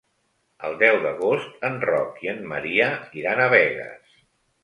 El deu d'agost en Roc i en Maria iran a Begues.